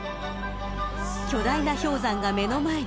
巨大な氷山が目の前に。